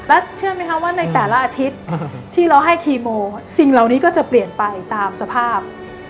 แล้วเชื่อไหมคะว่าในแต่ละอาทิตย์ที่เราให้คีโมสิ่งเหล่านี้ก็จะเปลี่ยนไปตามสภาพ